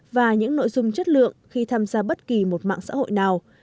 và những nội dung chất lượng khi tham gia bất kỳ một mạng xã hội nào